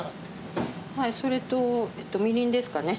それとみりんですかね。